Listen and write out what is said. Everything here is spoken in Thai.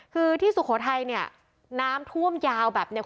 คือที่สุโขทัยเนี่ยน้ำท่วมยาวแบบเนี่ย